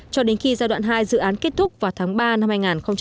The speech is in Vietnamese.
cho đến khi giai đoạn hai dự án kết thúc vào tháng ba năm hai nghìn một mươi bảy